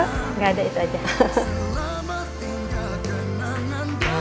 enggak ada lagi mba